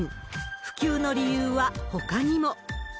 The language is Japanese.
普及の理由はほかにも。